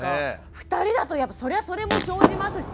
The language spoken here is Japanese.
２人だとやっぱそれはそれも生じますし。